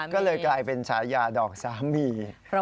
ก็เลยกลายเป็นฉายาดอกสามี